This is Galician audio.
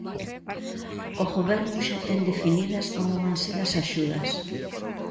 O Goberno xa ten definidas como van ser as axudas.